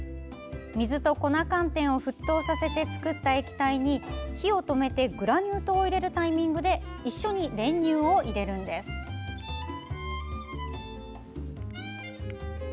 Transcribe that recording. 水と粉寒天を沸騰させて作った液体に火を止めてグラニュー糖を入れるタイミングで一緒に練乳を入れるんです。